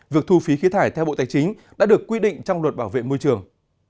việc thu phí khí thải theo bộ tài chính đã được quy định trong luật bảo vệ môi trường